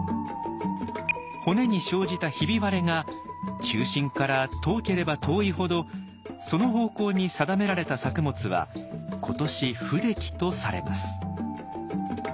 骨に生じたヒビ割れが中心から遠ければ遠いほどその方向に定められた作物は今年不出来とされます。